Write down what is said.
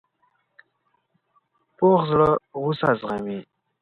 پوخ زړه غصه زغمي